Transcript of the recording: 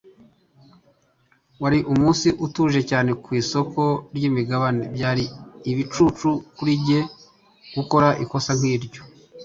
Wari umunsi utuje cyane ku isoko ryimigabane. Byari ibicucu kuri njye gukora ikosa nkiryo .